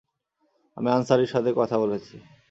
আমি আনসারীর সাথে কথা বলেছি।